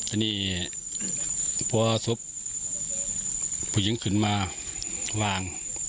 อันนี้พอศพผู้หญิงขึ้นมาวาง